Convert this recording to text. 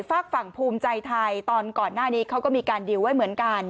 ฝากฝั่งภูมิใจไทยตอนก่อนหน้านี้เขาก็มีการดีลไว้เหมือนกัน